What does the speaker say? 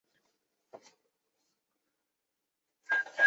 她早年就读顺德联谊总会梁洁华小学和协恩中学。